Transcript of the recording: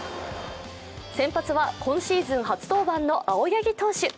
先発は今シーズン初登板の青柳投手。